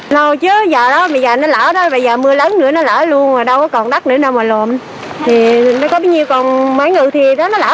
lâu chứ giờ đó bây giờ nó lỡ đó bây giờ mưa lớn nữa nó lỡ luôn mà đâu có còn đất nữa đâu mà lộn